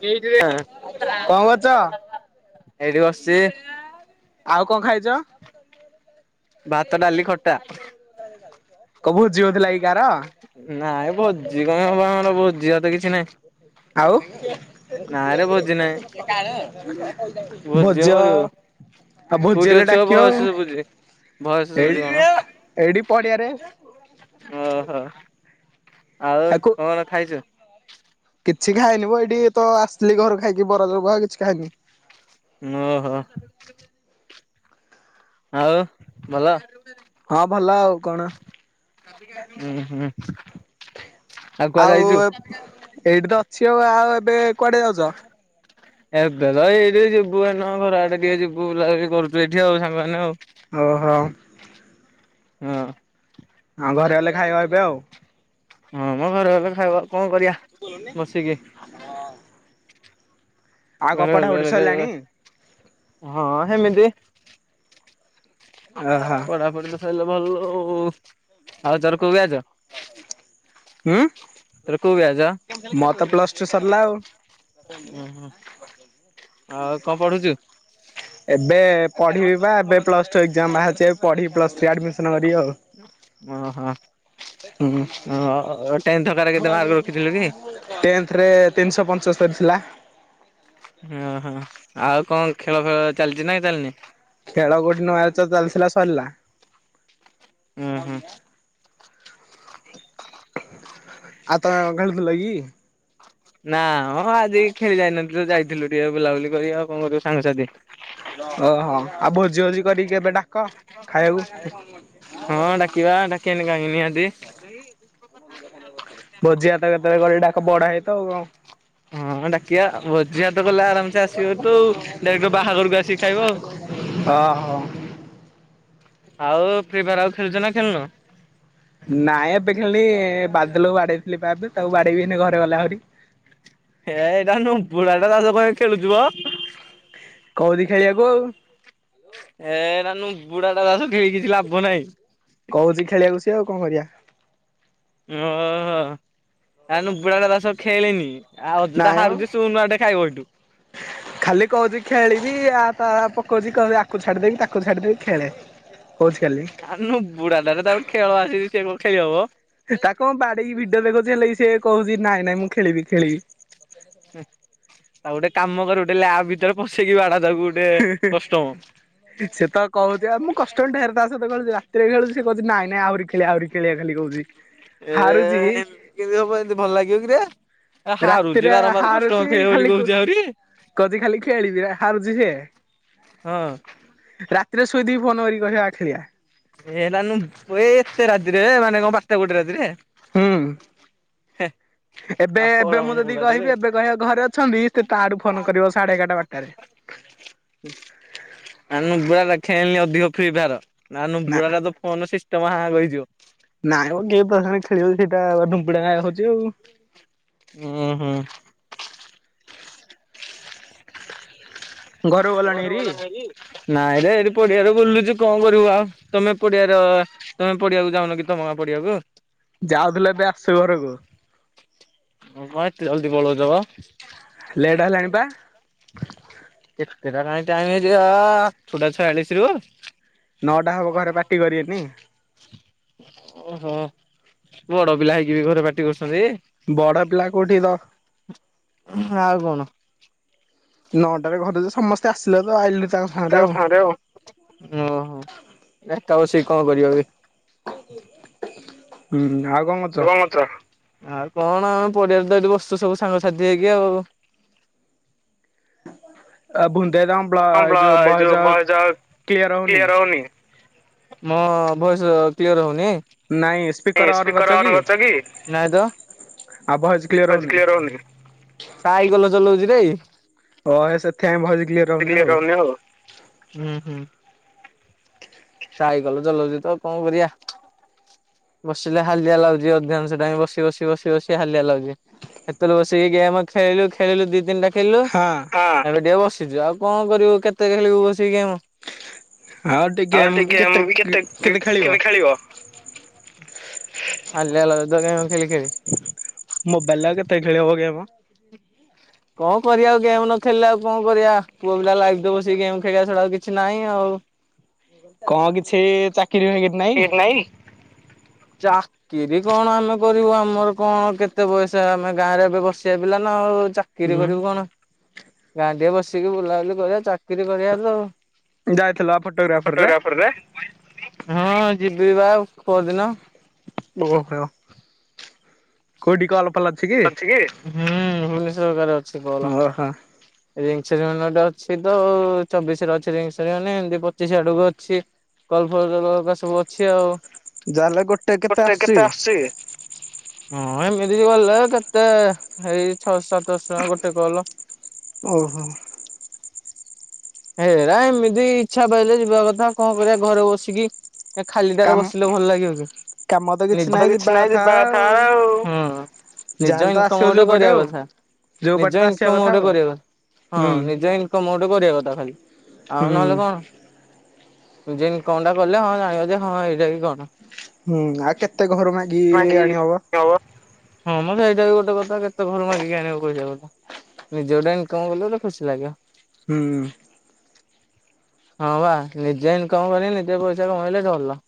[unintelligible] ଏଇଠି ବସିଚି। ଆଉ କଁ ଖାଇଚ? ଭାତ ଡାଲି ଖଟା। [unintelligible] କ ଭୋଜି ହଉଥିଲା କି କାର? ନାଇଁ ଭୋଜି କଣ ହବ ଆମର ଭୋଜି ଭାତ କିଛି ନାଇଁ। ଆଉ ଭୋଜ ଆଉ ଭୋଜି ହେଲେ ଡାକିବ ଆଉ। ଏଇ ଏଇଠି ପଡିଆରେ। ଓହୋ ଆଉ କଣ ଖାଇଚୁ? କିଛି ଖାଇନି ମ ଏଇଠି ତ ଆସିଥିଲି ଘରୁ ଖାଇକି ବରା ଚପ ଆଉ କିଛି ଖାଇନି। ଓହୋ। ଆଉ ଭଲ? ହଁ ଭଲ ଆଉ କଣ। ଉଁ ହୁଁ। ଆଉ ଏଇଠି ତ ଅଛି ଆଉ ଆଉ ଏବେ କୁଆଡେ ଯାଉଚ? ଏବେ ତ ଏଇଠି ଯିବୁ ଏଉନୁଆ ଘର ଆଡେ ଟିକେ ଯିବୁ ବୁଲାବୁଲି କରୁଚୁ ଏଠି ଆଉ ସାଙ୍ଗମାନେ ଆଉ। ଓହୋ। ହଁ। ଅଁ ଘରେ ଗଲେ ଖାଇବ ଏବେ ଆଉ। ହଁ ମ ଘରେ ଗଲେ ଖାଇବା ଆଉ କଣ କରିଆ। [unintelligible] ହଁ ହେମିତି। ଅ ହ। ପଢାପଢି ତ ସଇଲେ ଭଲ ଆଉ। ଆଉ ତୋର କୋଉ ବ୍ୟାଚ? [unintelligible] ତୋର କୋଉ ବ୍ୟାଚ? ମର ତ ପ୍ଲସ ଟୁ ସରିଲା ଆଉ। ଉଁ ହୁଁ। ଆଉ କଣ ପଢୁଚୁ? ଏବେ ପଢିବି ପା ଏବେ ପ୍ଲସ ଟୁ ଏକ୍ଜାମ ବାହାରିଚି ଏବେ ପଢିବି ପ୍ଲସ ଥ୍ରୀ ଆଡିମିସନ କରିବି ଆଉ। ଓହୋ ଓ-ଟେନ୍ଥଟାରେ କେତେ ମାର୍କ ରଖିଥିଲୁ କି? ଟେନ୍ଥରେ ତିନିଶ ପଞ୍ଚସ୍ତରୀ ଥିଲା। ଓହୋ ଆଉ କଣ ଖେଳ ଫେଳ ଚାଲିଚି ନା କି ଚାଲିନି? ଖେଳ ଗୋଟେ ନୂଆଚ ଚାଲିଥିଲା ସରିଲା। ଉଁ ହୁଁ। ଆ ତ ଖେଳୁଥିଲ କି? ନା ମ ଆଜି ଖେଳି ଯାଇନଥିଲୁ ତ ଯାଇଥିଲୁ ଟିକେ ବୁଲାବୁଲି କରି ଆଉ କଣ କରିବୁ ସାଙ୍ଗସାଥି। ଓହୋ ଆଉ ଭୋଜି ଭୋଜି କରିକି କେବେ ଡାକ। ହଁ ଡାକିବା ଡାକିବା ନି କାହିଁକି ନିହାତି। ଭୋଜି ଭାତ କେତେବେଳେ କରିକି ଡାକ, ବଡହାଇତ ଆଉ। ହଁ ଡାକିିଆ ଭୋଜିଭାତ କଲେ ଆରାମସେ ଆସିବ ତୁ ଆଉ ଡାଇରେକ୍ଟ ବାହାଘରକୁ ଆସିକି ଖାଇବ ଆଉ। ହଁ ହଁ।। ଆଉ ଫ୍ରିଫାୟାର ଆଉ ଖେଳୁଚ ନା ଖେଳୁନ? ନାଇଁ ଏବେ ଖେଲିନି ବାଦଲକୁ ବାଡେଇଥିଲି ପାହାରେ ଯେ ତାକୁ ବାଡେଇବି ଏଇନେ ଘରେ ଗଲେ ଆହୁରି। ହେ ଏଇଟା ନୁମ୍ବୁଡ଼ାଟା ତା ସହିତ କଣ ପାଇଁ ଖେଳୁଚୁ ମଁ। କଉଡ଼ି ଖେଳିବାକୁ। ହେ ଏଟା ନୁମ୍ବୁଡା ଟା ତା ସହିତ ଖେଳିକି କିଛି ଲାଭନାହିଁ। କହୁଛି ଖେଳିବାକୁ ସିଏ ଆଉ କଣ କରିବା। ଓହୋ ହେଟା ନୁମ୍ଵୁଡା ଟା ତା ସହିତ ଖେଳେନି। ଆଉ ଅଯଥା ହାରୁଚି ଶୁନୁ ଆ ଟେ ଖାଇବ ଏଠୁ। [inaudible] ଖାଲି କହୁଛି ଖେଳିବି ଆ ତା ପକଉଚି କୋହୁଚି ଆକୁ ଛାଡିଦେବି ତାକୁ ଛାଡିଦେବି ଖେଳେ। କୋହୁଛି କାଲି। ଆଉ ନୁମ୍ବୁଡା ଟାରେ ତା ଖେଳ ଆସିକି ସେ କଣ ଖେଳି ହବ। ତାକୁ ମୁଁ ବାଡେଇକି ଭିଡିଓ ଦେଖୋଉଚି ହେଲେବି ସେ କୋହୁଚି ନାଇଁ ନାଇଁ ମୁଁ ଖେଳିବି ଖେିଳିବି। ହେ ଆଉ ଗୋଟେ କାମ କର ଗୋଟେ ଲ୍ୟାବ ଭିତରେ ପସେଇକି ବାଡା ତାକୁ। [unintelligible] ସେ ତ କହୁଚି ଆଉ କଷ୍ଟ ରେ ଢ଼େରେ ତା ସହିତ ଖେଳୁଚି ରାତିରେ ଖେଳୁଚି ସେ କହୁଚି ନାଇଁନାଇଁ ଆହୁରି ଖେଳିଵା ଆହୁରି ଖେଳିବା ଖାଲି କୋହୁଚି। ଏ ଏମତି କେମିତି ହବ ଏମତି ଭଲ ଲାଗିବ କିରେ। ହାରୁଚି ବାରମ୍ବାର କଷ୍ଟମ ଖେଳିବ ବୋଲି କୋହୁଚି ଆହୁରି। କୋହୁଚି ଖାଲି ଖେଳିବି ହାରୁଚି ସିଏ। ହଁ। ରାତିରେ ଶୋଇଥିବି ଫୋନ କରିକ କହିବ ଆ ଖେଳିବା। ଏରା ନୁ ଏତେ ରା୍ରିରେ ମାନେ କଣ ବାରଟା ଗୋଟେ ରାତିରେ। ହୁଁ। ହେ। ଏବେ ଏବେ ମୁଁ ଯଦି କହିବି ଏବେ କହିବ ଘରେ ଅଛନ୍ତି ସେ ତା ଆଡୁ ଫୋନ କରିବ ସାଢେ ଏଗାରଟା ବାରଟାରେ। ଆ ନୁମ୍ବୁଡ଼ା ଟା ଖେଳେନି ଅଧିକ ଫ୍ରି ଫାୟାର ନା ନୁମ୍ବୁଡ଼ା ତ ଫୋନ ସିଷ୍ଟମ ହାଙ୍ଗ ହେଇଯିବ। ନାଇଁ ମ କିଏ ତା ସାଙ୍ଗରେ ଖେଳିବ ସେଇଟା ଡୁମ୍ପିଡା ନାଖେ ହୋଉଚି ଆଉ। ହୁଁ ହୁଁ। ଘରକୁ ଗଲ ହାରି କି ନାଇଁ ରେ ଏଠି ପଡିଆରେ ବୁଲୁଚୁ କଣ କରିବୁ ଆଉ ତମେ ପଡିଆର ତମେ ପଡିଆକୁ ଯାଉନ କି ତମ ଗାଁ ପଡିଆକୁ। ଯାଉଥିଲୁ ଏବେ ଆସୁଚୁ ଘରକୁ। କଣ ଏତେ ଜଲଦି ପଳଉଚ ମ। କେତେଟା ଯାଏଁ ଟାଇମ୍ ହେଇଚି ଆଠଟା ଛୟାଳିଶ ରୁ ନଅଟା ହବ ଘରେ ପାଟି କରିବେନି। ଓହୋ ବଡ ପିଲା ହେଇକି ବି ଘରେ ପାଟି କରୁଛନ୍ତି। ବଡ ପିଲା କୋଉଠି ଦ ଆଉ କଣ ନଅଟାରେ ଘରେ ତ ସମସ୍ତେ ଆସିଲେ ତ ଆଇଲି ତାଙ୍କ ତାଙ୍କ ସାଙ୍ଗରେ ଆଉ ଓହୋ ଏକା ବସିକି କଣ କରଵା ବି ହୁଁ ଆଉ କଣ କ କଁ କରୁଚ। ଆଉ କଣ ଆମ ପଡ଼ିଆରେ ତ ଏଇଠି ବସିଛୁ ସବୁ ସାଙ୍ଗସାଥୀ ହେଇକି ଆଉ। ଆ ବୁନ୍ଦେ ଦମ୍। [unintelligible] ମୋ ଭଏସ କ୍ଲିୟର ହୋଉନି। ନାଇଁ ନାଇଁ ସ୍ପିକର ଅନ କରିଚକି। ନାଇଁତ। ଭଏସେ କ୍ଲିୟର ହୋଉନି। ସାଇକଲ ଚଲଉଚିରେ। ଓ ଏ ସେଥିପାଇଁ ଭ‌ଏସ୍ କ୍ଲିଅର ରହୁନି ଆଉ। ହୁଁ ହୁଁ। ସାଇକଲ ଚଲଉଚି ତ କଣ କରିବା। ବସିଲେ ହାଲିଆ ଲାଗୁଚି ଅଧିକାଂଶ ଟାଇମ୍ ବସି ବସି ବସି ବସି ହାଲିଆ ଲାଗୁଚି। ସେତେବେଳେ ବସିକି ଗେମ୍ ଖେଳିଲୁ ଖେଳିଲୁ ଦିଇ ତିିନିଟା ଖେଳିଲୁ ଏବେ ଟିକେ ବସିଚି ଆଉ କଣ କରିବୁ କେତେ ଖେଳିବୁ ବସିକି ଗେମ। ହା [unintelligible] ଆଉ ଟିକେ ଉଁ [unintelligible] ବି କେତେ କେତେ ଖେଳିବ? ହାଲିଆ ଲାଗୁଚି ତ ଗେମ୍ ଖେଳିି ଖେଳିି। ମୋବାଇଲରେ ଆଉ କେତେ ଖେଳିହବ ଗେମ। [inaudible] କଣ କରିବା ଆଉ ଗେମ୍ ନ ଖେଳିଲେ ଆଉ କଣ କରିବା ପୁଅ ପିଲା ଲାଇଫ୍ ତ ବସିକି ଗେମ୍ ଖେଳିବା ଛଡା ଆଉ କିଛି ନାହିଁ ଆଉ। କଣ କିଛି ଚାକିରି ଫାକି ରି ନାହିଁ। ଚା କିରି କଣ ଆମେ କରିବୁ ଆମର କଣ କେତେ ପଇସା ଆମେ ଗାଁରେ ଏବେ ବସିବା ପିଲା ନା ଆଉ ଚାକିରି କରିବୁ କଣ ଗାଁରେ ଟିକେ ବସିକି ବୁଲାବୁଲି କରିବା ଚାକିରି କରିବା ତ। [unintelligible] ହଁ ଯିବି ବା ଆଉ କୋଉ ଦିନ। ଆଉ କଣ କହିବ। କୋଉଠି କି କଲ୍ ଫଲ୍ ଅଛି କି ହୁଁ ଭୁବନେଶ୍ଵର ହେରିକାରେ ଅଛି କଲ୍। ରିଙ୍ଗସେରିମନିର ଗୋଟେ ଅଛି ତ ଚବିଶରେ ଅଛି ରିଙ୍ଗସେରିମନି ଏମତି ପଚିଶି ଆଡକୁ ଅଛି। କଲ୍ ଫଲ୍ ଦବାକୁ ତ ସବୁ ଅଛି ଆଉ, ଗୋଟେ କେତେ ଆସୁଚି? ହଁ ଏମିତି କଲେ କେତେ ଏଇ ଛଅ ସାତଶହ ଗୋଟେ କଲ୍। ଓହୋ। ହେରା ଏମିତି ଇଚ୍ଛା ପାଇଲେ ଯିବା କଥା କଣ କରିବା ଘରେ ବସିକି ଏ ଖାଲିଟାରେ ବସିଲେ ଭଲ ଲାଗିବ କି। ନିଜେ ତ କିଛି ନାଇଁ ଯିବା କଥା ଆଉ ହୁଁ। ନିଜ ଇନକମ୍ ଗୋଟେ କରିବା କଥା। ନିଜ ଇନକମ୍ ଗୋଟେ କରିବା ହଁ ନିଜ ଇନକମ୍ ଗୋଟେ କରିବା କଥା ତା ଖାଲି ଆଉ ନହେଲେ କଣ ନିଜେ ଇନକମ୍ ଟା କଲେ ହଁ ଜାଣିବ ଯେ ହଁ ଏଇଟା କି କଣ ହୁଁ ଆଉ କେତେ ଘରୁ ମାଗିକି ଆଣି ହବ। [unintelligible] ହବ ହଁ ମ ସେଇଟା ବି ଗୋଟେ କଥା କେତେ ଘରୁ ମାଗିକି ଆଣିବ ପ‌ଇସା କୋହୁନ। ନିଜେ ଗୋଟେ ଇନକମ୍ କଲେ ଗୋଟେ ଖୁସି ଲାଗିବ। ହୁଁ। ହଁ ପା ନିଜେ ଇନକମ୍ କରି ନିଜେ ପଇସା କମେଇଲେ ସେ ଭଲ।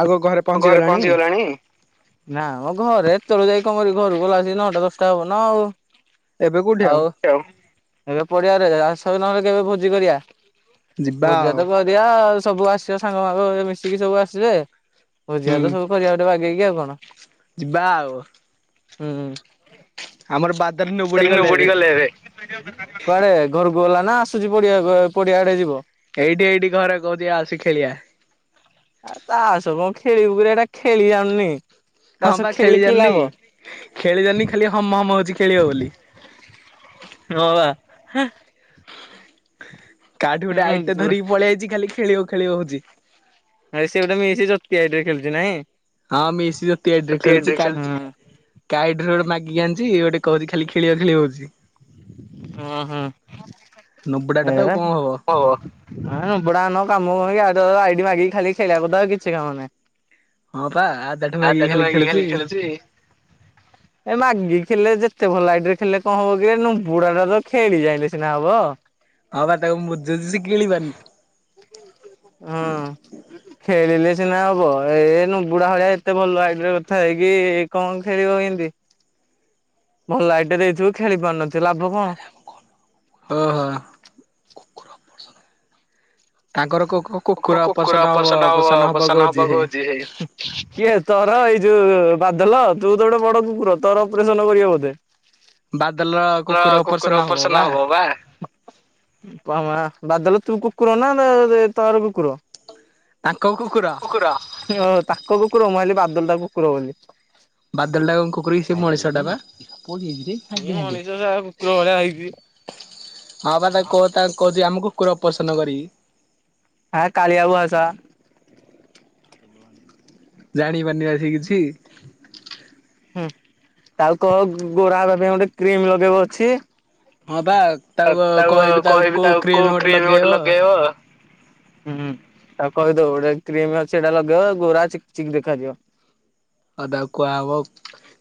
ଆଗକୁ ଘରେ ଘରେ ପହଞ୍ଚି ଗଲାଣି? ନା ମ ଘରେ ଏତେବେଳୁ ଯାଇକି କଣ କରିବି। ଘରକୁ ଗଲା ଆସି ନଅଟା ଦଶଟା ହବ ନା ଆଉ। ଆଉ [unintelligible] ଏବେ ପଡିଆରେ ଆସନ୍ତୁ ନହେଲେ କେବେ ଭୋଜି କରିବା। ଭୋଜି ଭାତ କରିବା ଆଉ ସବୁ ଆସିବ ସାଙ୍ଗ ମାଙ୍ଗ ଏ ମିଶିକି ସବୁ ଆସିବେ। ଭୋଜିି ଭାତ ସବୁ କରିବା ଗୋଟେ ବାଗେଇକି ଆଉ କଣ। ଯିବା ଆଉ ଆମର ବାଦରେ ନୁବୁଡି [unintelligible] ଗଲେରେ। କୁଆଡେ ଘରକୁ ଗଲା ନା ଆସୁଚି ପଡିଆ ଗ ପଡିଆ ଆଡେ ଯିବ? ଏଇଠି ଏଇଠି ଘରେ କୋହୁଚି ଆସେ ଖେଳିବା। ଆ ତାସ୍ କଣ ଖେଳିବୁ କିରେ ଏଟା ଖେଳି ଜାଣୁନି ତା ସହ ଖେଳିକି କିଏ ଲାଭ। ଖେଳିଲାନି ଖାଲି ହମ ହମ ହଉଛି ଖେଳିବ ବୋଲି। ହୋବା [unintelligible] କାଆଠୁ ଗୋଟେ ଆଇଟେ ଧରିକି ପଳେଇଆଇଛି ଖାଲି ଖେଳିବ ଖେଳିବ ହଉଛି। ଭାଇ ସେ ଗୋଟେ ମିଶି ଜ୍ଯୋତି ଆଇଡୀ ରେ ଖେଳୁଛି ନାଇଁ? ହଁ ମିସି ଜ୍ଯୋତି ଆଇଡି ରେ ଖେଳୁଛି କା କା ଆଇଡି ରେ ଗୋଟେ ମାଗିକି ଆଣିଛି ଗୋଟେ କହୁଛି ଖାଲି ଖେଳିବା ଖେଳିବ ହଉଛି। ହଁ ହଁ [unintelligible] ହା ନୁବଡା ମାନଙ୍କ କାମ କଣ କି ଆଠୁ ଆଇଡି ମାଗିକି ଖାଲି ଖେଳିବା କଥା ଆଉ କିଛି କାମ ନାଇ। ଆ ତାଠୁ ମାଗିକି ଖାଲି ଖେଳୁଛି? ଏ ମାଗି କି ଖେଳିଲେ ଯେତେ ଭଲ ଆଇଡିରେ ଖେଳିଲେ କଣ ହବ କି ନୁ ବୁଢା ଟା ତ ଖେଳି ଯାଇଲେ ସିନା ହବ? ହଁ ବା ତାକୁ ମୁଁ ବୁଝୁଛିି ସେ କିଳିିବନି। ହଁ। ଖେଳିଲେ ସିନା ହବ ଏ ନୁବୁଢା ଭଳିଆ ଏତେ ଭଲ ଆଇଡିର ଥାଇକି କଣ ଖେଳିବ କେମିତି? ହ ଭଲ ଆଇଡି ଦେଇଥିବୁ ଖେଳି ପାରୁନଥିବ ଲାଭ କଣ? ଓହୋ। ତାଙ୍କର କଉ ଖଉ କ କୁକୁର ଅପର୍ଶନ ଅପସନ ହବ କହିଛି ସେ ହୁଁ। କିଏ ତୋର ଏଇ ଯୋଉ ବାଦଲ ତୁ ତ ଗୋଟେ ବଡ କୁକୁର ତୋର ଅପରେସନ କରିବ ବୋଧେ? ବାଦଲ ର କୁକୁର ଅପରେସନ ହବ ବା। ପାମା ବାଦଲ ତୁ କୁକୁର ନା ତର କୁକୁର? ତାଙ୍କ କୁକୁର। କୁର ଓହ ତାଙ୍କ କୁକୁର ମୁଁ ଭାବିଲି ବାଦଲ ଟା କୁକୁର ବୋଲି। ବାଦଲ ଟା କଣ କୁକୁରି କି? ସେ ମଣିଷ ଟା ବା [unintelligible] କି ମଣିଷ ସା କୁକୁର ଭଳିଆ ହେଇଛି। ହଁ ବା ତା କ ତା କହୁଛି ଆମ କୁୁକୁର ଅପର୍ସନ କରିବି। ଆଁ କାଳିଆ ଭୂଆ ଶା। ଭ ଜାଣି ପାରୁନି ବା ସେ କିଛି? ହୁଁ ତାକୁ କହ ଗୋରା ହେବା ପାଇଁ ଗୋଟେ କ୍ରିମ ଲଗେଇବ ଅଛି। ହଁ ବା ତାକୁ କହିବି ତାକୁ କୋଉ କ୍ରିମ ଗୋଟେ ଲଗେଇବ। ହୁଁ ହୁଁ ତାକୁ କହିଦେବୁ ଗୋଟେ କ୍ରିମ ଅଛି ହେଟା ଲଗେଇବା ଗୋରା ଚିକ ଚିକ୍ ଦେଖାଯିବ। ଅ ତାକୁ କୁହା ହବ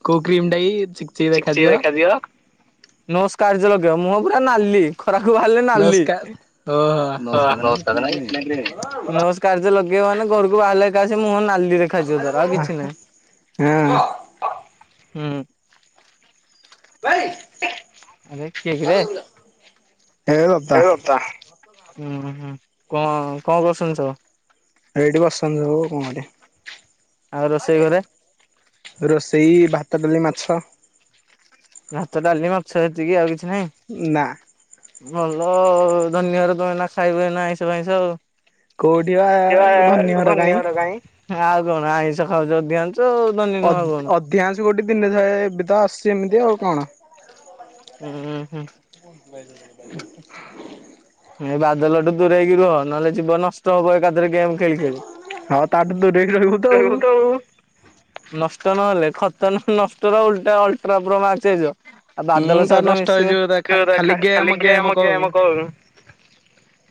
କୋଉ କ୍ରିମ ଟା କି? ଚିକ୍ ଚିକ ଦେଖାଯିବ ନୋ ସ୍କାର୍ଚ ଲଗେଇବା ମୁହଁ ପୁରା ନାଲି। ଖରାକୁ ବାହାରିଲେ ନାଲି ନୋସ୍କ୍ରାଚ ନା କି? ନା ଗ୍ରୀନି? ନୋ ସ୍କ୍ରାଚ ଲଗେଇବ ମାନେ ଘରକୁ ବାହାରିଲେ ଏକା ମୁହଁ ନାଲି ଦେଖାଯିବ ତାରା ଆଉ କିଛି ନାଇ। ହୁଁ। ଭାଇ ଆରେ କିଏ କିରେ? ଏ ବୋପା ହୁଁ ହୁଁ କଣ କଣ କରୁସନ୍ତି ସବୁ? ଏଇଟି ବସିଛନ୍ତି ସବୁ କଣ କରିବା? ଆଉ ରୋଷେଇ ଘରେ? ରୋଷେଇ ଭାତ ଡାଲି ମାଛ। ଭାତ ଡାଲି ମାଛ ଏତିକି ଆଉ କିଛି ନାଇ? ନା। ଭଲ, ଧନୀ ଘର ତମେ ଏଇନା ଖାଇବ ଏଇନା ଆଇଁଷ ଫାଇଁଷ ଆଉ। ଏ ଧନୀ ଘର କାଇଁ? ଅଧି-ଅଧିକାଂଶ ଗୋଟେ ଦିନେ ଥାଏ। ଏବେ ତ ଆସୁଛି ଏମିତି। ଆଉ କଣ? ଉୁଁ ହୁଁ। [inaudible] ଏ ବାଦଲ ଠୁ ଦୂରେଇକି ରୁହ ନ ହେଲେ ଜୀବନ ନଷ୍ଟ ହବ ଏକାଥରେ ଗେମ୍ ଖେଳି ଖେଳି। ହଁ, ତା ଠୁ ଦୂରେଇକି ରହିବୁ। ରହିବୁ ତ ଆଉ। ନଷ୍ଟ ନ ହେଲେ ଖତ ନ ନଷ୍ଟର ଓଲଟା ଅଲଟ୍ରା ପ୍ରୋ ମ୍ୟାଚ ହେଜ ଆଉ ବାଦଲ ସହିତ ମିଶିବି।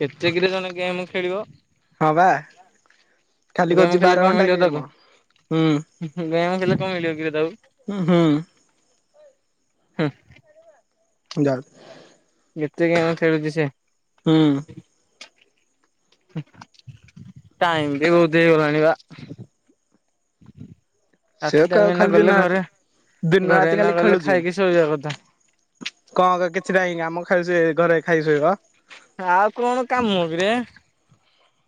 କେତେ କିରେ ଜଣେ ଗେମ୍ ଖେଳିବ? ଗେମ୍ ଖେଳିଲେ କଣ ମିଳିବ ତାକୁ? ଗେମ୍ ଖଳିଲେ କଣ ମିଳିବ କିରେ ତାକୁ? ଉଁ ହୁଁ। ହୁଁ। [unintelligible] ଯେତେ ଗେମ୍ ଖେଳୁଛି ସିଏ? ହୁଁ। ଟାଇମ୍ ବି ବହୁତ ହେଇଗଲାଣି ବା। ଦିନ ରାତି ଖାଲି ଖେଳୁଛି। କଣ ଏବେ କିଛି ନାହିଁ। ଆମ ଖାଲି ସେ ଘରେ ଖାଇକି ଶୋଇବ। ଆଉ କଣ କାମ କିରେ?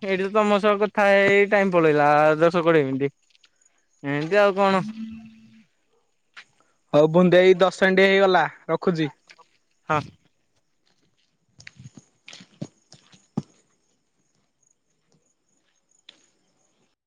ଏଇଠି ତ ତମ ସହ କଥା ହେଇ ହେଇ ଟାଇମ ପଳେଇଲା ଦଶ କୋଡିଏ ମିନିଟ୍। ଏନ୍ତି ଆଉ କଣ? ହଉ ବୁନ୍ଦେଇ ଦଶ ମିନିଟ୍ ହେଇଗଲା ରଖୁଚି। ହଁ।